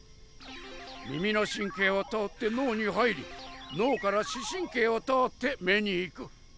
耳の神経を通って脳に入り脳から視神経を通って目に行く。